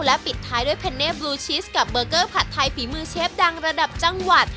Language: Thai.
และปิดท้ายด้วยเพนเน่บลูชิสกับเบอร์เกอร์ผัดไทยฝีมือเชฟดังระดับจังหวัด